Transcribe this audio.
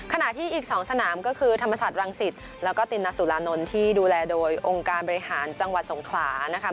ขณะที่อีก๒สนามก็คือธรรมศาสตรังสิตแล้วก็ตินสุรานนท์ที่ดูแลโดยองค์การบริหารจังหวัดสงขลานะคะ